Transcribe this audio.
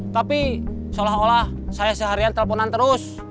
tapi seolah olah saya seharian teleponan terus